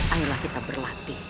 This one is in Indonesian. ayolah kita berlatih